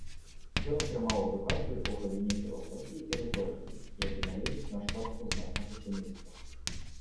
Ён атрымаў адукацыю ў галіне філасофіі і рыторыкі, як і належыць нашчадку знатнага сямейства.